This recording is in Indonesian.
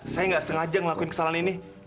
saya nggak sengaja ngelakuin kesalahan ini